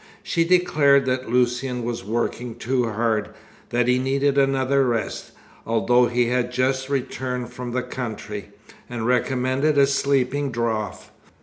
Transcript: She declared that Lucian was working too hard, that he needed another rest, although he had just returned from the country, and recommended a sleeping draught.